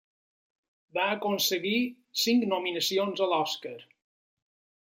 Va aconseguir cinc nominacions a l'Oscar.